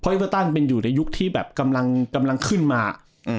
เอเวอร์ตันเป็นอยู่ในยุคที่แบบกำลังขึ้นมาอืม